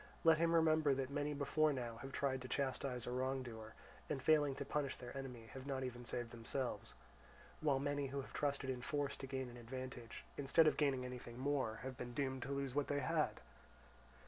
Let him remember that many before now have tried to chastise a wrongdoer, and failing to punish their enemy have not even saved themselves; while many who have trusted in force to gain an advantage, instead of gaining anything more, have been doomed to lose what they had.